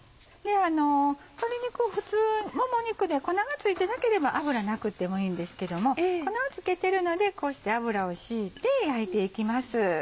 鶏肉普通もも肉で粉が付いてなければ油なくてもいいんですけども粉を付けてるのでこうして油を引いて焼いていきます。